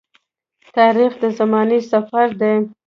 تاریخ د زمانې سفر دی.